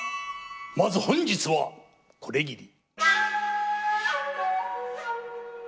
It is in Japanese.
まず本日はこれぎり。